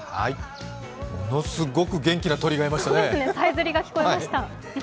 ものすごく元気な鳥がいましたね。